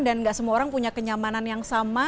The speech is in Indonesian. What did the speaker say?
dan gak semua orang punya kenyamanan yang sama